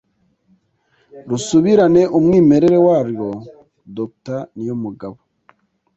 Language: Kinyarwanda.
rusubirane umwimerere warwo, Dr Niyomugabo